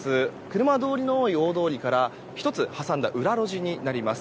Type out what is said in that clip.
車通りの多い大通りから１つ挟んだ裏路地になります。